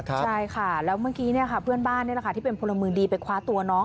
ใช่ค่ะแล้วเมื่อกี้เพื่อนบ้านนี่แหละค่ะที่เป็นพลเมืองดีไปคว้าตัวน้อง